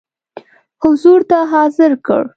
حضور ته حاضر کړ.